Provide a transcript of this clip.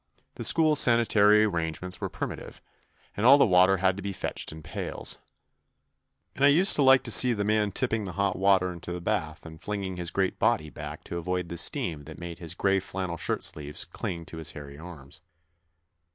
The school sanitary arrangements were primitive, and all the water had to be fetched in pails, and I used to like to see the man tipping the hot water into the bath and flinging his great body back to avoid the steam that made his grey flannel shirt sleeves cling to his hairy arms.